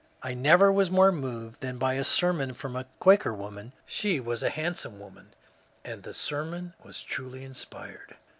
^^ I never was more moved than by a sermon from a [Quaker] woman. She was a handsome woman, — and the sermon was truly inspired."